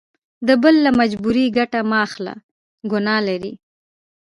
د بل له مجبوري ګټه مه اخله ګنا لري.